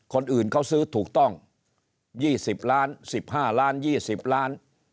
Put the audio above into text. คนอื่นเขาซื้อถูกต้อง๒๐ล้าน๑๕ล้าน๒๐ล้าน